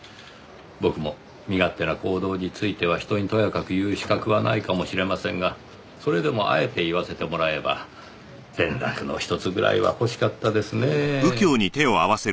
僕も身勝手な行動については人にとやかく言う資格はないかもしれませんがそれでもあえて言わせてもらえば連絡のひとつぐらいは欲しかったですねぇ。